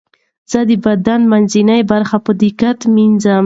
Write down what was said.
زه د بدن منځنۍ برخه په دقت مینځم.